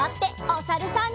おさるさん。